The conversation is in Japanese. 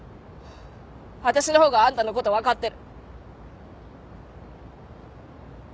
私の方があんたのこと分かってる。